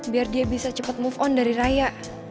biar dia bisa cepat move on dari raya